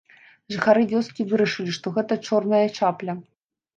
Жыхары вёскі вырашылі, што гэта чорная чапля.